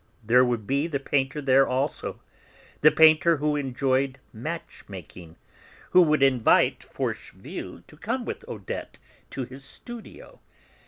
there would be the painter there also, the painter who enjoyed match making, who would invite Forcheville to come with Odette to his studio.